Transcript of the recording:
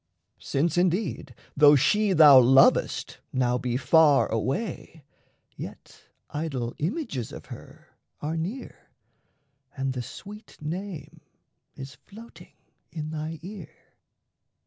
Since, indeed, Though she thou lovest now be far away, Yet idol images of her are near And the sweet name is floating in thy ear.